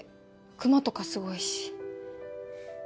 クマとかすごいし。